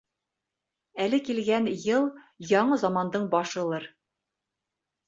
Әле килгән йыл яңы замандың башылыр.